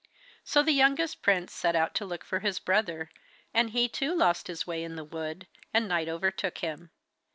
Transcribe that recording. So the youngest prince set out to look for his brother, and he too lost his way in the wood and night overtook him.